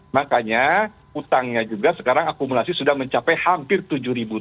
makanya utangnya juga sekarang akumulasi sudah mencapai hampir tujuh triliun